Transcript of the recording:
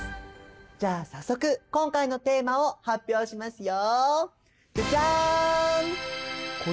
じゃあ早速今回のテーマを発表しますよ。